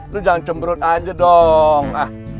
lu jangan cemberut aja dong